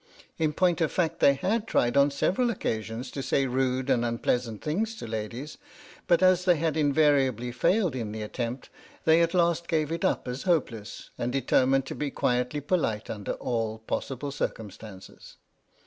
In point of fact they had tried on several occasions to say rude and unpleasant things to ladies, but as they had invariably failed in the attempt they at last gave it up as hopeless, and determined to be quietly polite under all possible 12 H.M.S. "PINAFORE" circumstances.